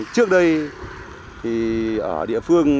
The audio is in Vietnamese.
trước đây thì ở địa phương